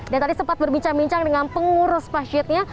dan tadi sempat berbincang bincang dengan pengurus masjidnya